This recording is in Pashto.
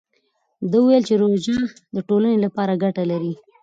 ده وویل چې روژه د ټولنې لپاره ګټه لري.